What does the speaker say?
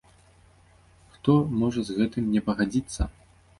Хто можа з гэтым не пагадзіцца?